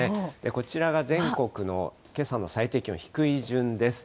こちらが全国のけさの最低気温低い順です。